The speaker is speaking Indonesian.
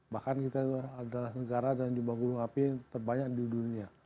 bahkan kita adalah negara dan jumlah gunung api terbanyak di dunia